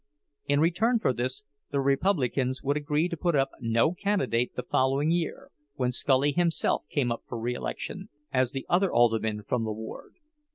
In return for this the Republicans would agree to put up no candidate the following year, when Scully himself came up for reelection as the other alderman from the ward.